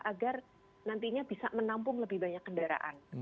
agar nantinya bisa menampung lebih banyak kendaraan